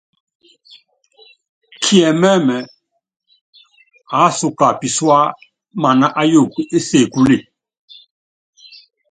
Kiɛmɛ́mɛ, aásuka pisúa mana ayuukɔ é sekule.